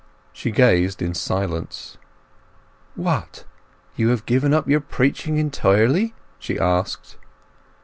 She gazed in silence. "What—you have given up your preaching entirely?" she asked.